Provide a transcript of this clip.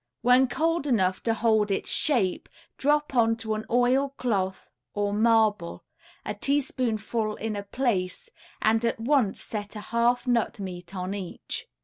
When cold enough to hold its shape drop onto an oil cloth or marble, a teaspoonful in a place, and at once set a half nut meat on each.